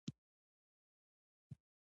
مستو ورته وویل خوښه دې نه ده پسه حلال کړو.